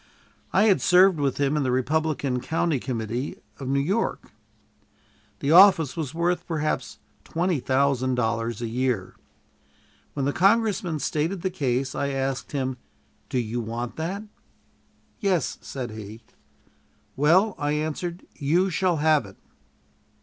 I had served with him in the Republican county committee of New York. The office was worth perhaps twenty thousand dollars a year. When the congressman stated the case, I asked him, "Do you want that?" "Yes," said he. "Well," I answered, "you shall have it."